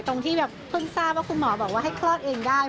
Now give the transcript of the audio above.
ที่แบบเพิ่งทราบว่าคุณหมอบอกว่าให้คลอดเองได้